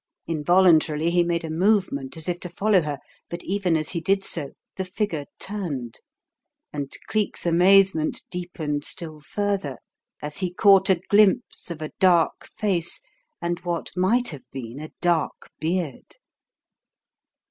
Involuntarily he made a movement as if to follow her, but even as he did so the figure turned, and Cleek's amazement "deepened still further as he caught a glimpse of a dark face and what might have been a dark beard.